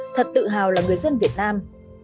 thật tự hào là người dân việt nam